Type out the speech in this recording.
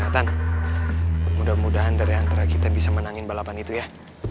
tan mudah mudahan dari antara kita bisa menangin balapan itu ya